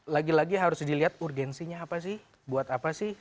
lagi lagi harus dilihat urgensinya apa sih buat apa sih